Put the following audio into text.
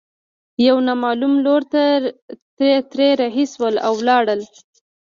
يوه نامعلوم لور ته ترې رهي شول او ولاړل.